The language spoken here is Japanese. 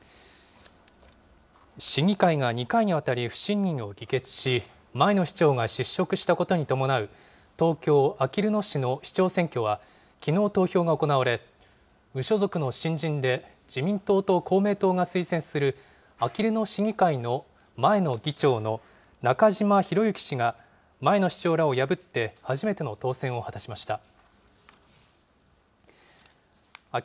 市議会が２回にわたり不信任を議決し、前の市長が失職したことに伴う東京・あきる野市の市長選挙はきのう投票が行われ、無所属の新人で、自民党と公明党が推薦する、あきる野市議会の前の議長の中嶋博幸氏が、前の市長らを破って初めての当選を果たしました。